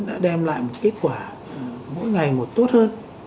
đã đem lại một kết quả mỗi ngày một tốt hơn